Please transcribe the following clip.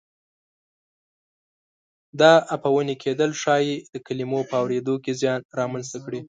دا عفوني کېدل ښایي د کلمو په اورېدو کې زیان را منځته کړي.